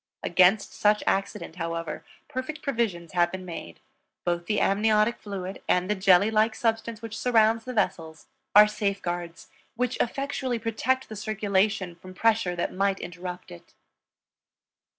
Against such accident, however, perfect provisions have been made; both the amniotic fluid and the jelly like substance which surrounds the vessels are safeguards which effectually protect the circulation from pressure that might interrupt it.